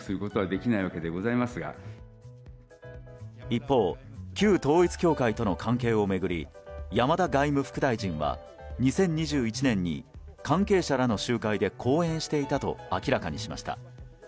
一方旧統一教会との関係を巡り山田外務副大臣は２０２１年に関係者らの集会で講演していたと明らかにしました。